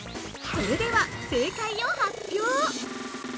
◆それでは、正解を発表。